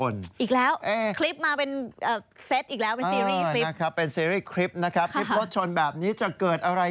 นี่น่ะพี่นี่ยนต์แล้วหนีนะครับ